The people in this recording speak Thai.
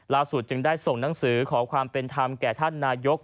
จึงได้ส่งหนังสือขอความเป็นธรรมแก่ท่านนายก